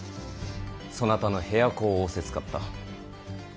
そなたの部屋子を仰せつかった。